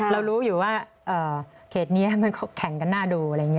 เรารู้อยู่ว่าเขตนี้มันก็แข่งกันหน้าดูอะไรอย่างนี้